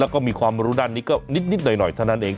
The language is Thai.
แล้วก็มีความรู้ด้านนี้ก็นิดหน่อยเท่านั้นเอง